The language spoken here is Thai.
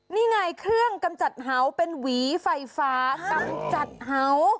นี่ไงเครื่องกำจัดเห่าเป็นหวีไฟฟ้ากำจัดเหา